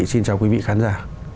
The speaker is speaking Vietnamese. xin chào quý vị khán giả